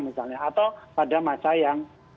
misalnya atau pada masa yang